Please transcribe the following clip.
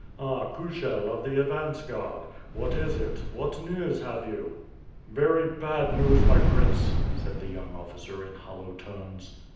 Ah! Kushel of the advance guard! What is it? What news have you?" "Very bad news, my Prince," said the young officer in hollow tones.